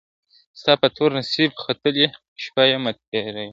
ستا په تور نصیب ختلې شپه یمه تېرېږمه !.